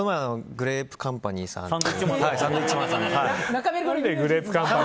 グレープカンパニーさんと。